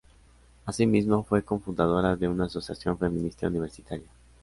Así mismo, fue cofundadora de una asociación feminista universitaria.